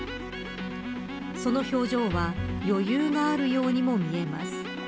その表情は余裕があるようにも見えます。